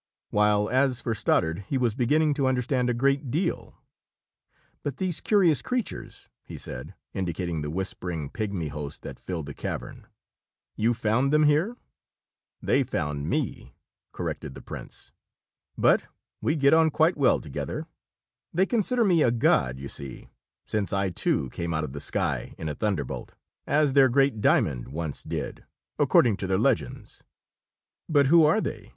While as for Stoddard, he was beginning to understand a great deal. "But these curious creatures?" he said, indicating the whispering, pigmy host that filled the cavern. "You found them here?" "They found me, rather!" corrected the prince. "But we get on quite well together. They consider me a god, you see, since I, too, came out of the sky in a thunderbolt, as their great diamond once did, according to their legends." "But who are they?